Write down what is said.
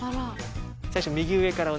最初右上から。